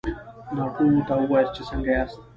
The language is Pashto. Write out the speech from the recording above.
ناټو ته ووایاست چې څنګه ياست؟